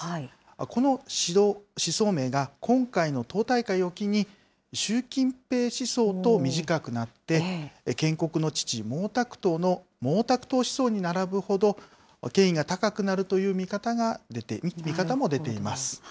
この思想名が、今回の党大会を機に、習近平思想と短くなって、建国の父、毛沢東の毛沢東思想に並ぶほど、権威が高くなるという見方も出ています。